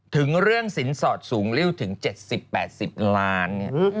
ถึงเรื่องสินสอดสูงริ้วถึง๗๐๘๐ล้านเนี่ย